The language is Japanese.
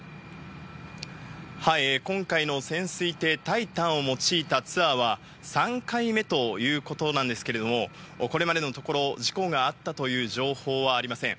今回の潜水艇「タイタン」を用いたツアーは３回目ということなんですがこれまでのところ事故があったという情報はありません。